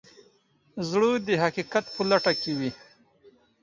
زړه د حقیقت په لټه کې وي.